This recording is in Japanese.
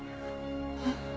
えっ？